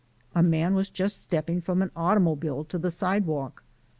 A man was just stepping from an automobile to the sidewalk.